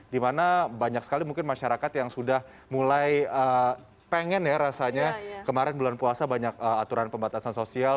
dimana banyak sekali mungkin masyarakat yang sudah mulai pengen ya rasanya kemarin bulan puasa banyak aturan pembatasan sosial